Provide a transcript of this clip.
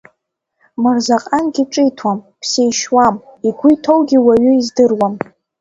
Мырзаҟангьы ҿиҭуам, ԥсишьуам, игәы иҭоугьы уаҩы издыруам.